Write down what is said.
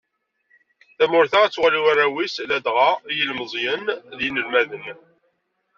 Tamurt ad tuɣal i warraw-is ladɣa i yilmeẓyen d yinelmaden.